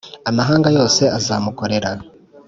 amahanga yose azamukorera.